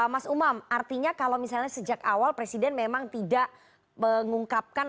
mas umam artinya kalau misalnya sejak awal presiden memang tidak mengungkapkan